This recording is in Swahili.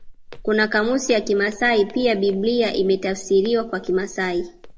Kuna kamusi ya kimasai pia Biblia imetafsiriwa kwa kimasai